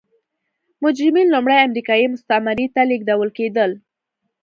مجرمین لومړی امریکايي مستعمرې ته لېږدول کېدل.